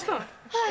はい。